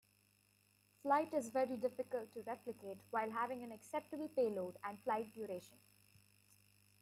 Flight is very difficult to replicate while having an acceptable payload and flight duration.